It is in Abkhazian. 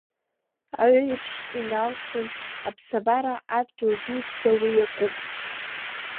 Аҩеиԥш иналсын аԥсабара, адгьыл дуӡӡа уи иакуп.